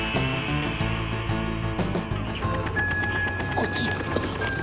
こっちよ。